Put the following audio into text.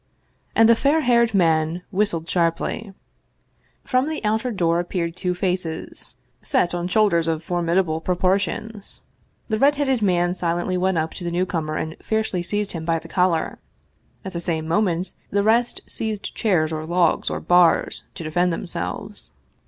And the fair haired man whistled sharply. From the outer door appeared two faces, set on shoulders of formi dable proportions. The red headed man silently went up to the newcomer and fiercely seized him by the collar. At the same mo ment the rest seized chairs or logs or bars to defend themselves.